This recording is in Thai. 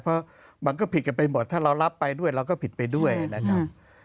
เพราะมันก็ผิดกันไปหมดถ้าเรารับไปด้วยเราก็ผิดไปด้วยนะครับ